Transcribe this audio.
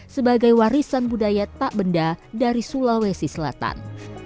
sebagai warisan budaya tak benda dari sulawesi selatan